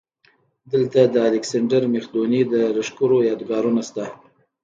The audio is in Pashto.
دلته د الکسندر مقدوني د لښکرو یادګارونه شته